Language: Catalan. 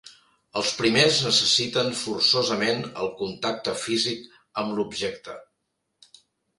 Els primers necessiten forçosament el contacte físic amb l'objecte.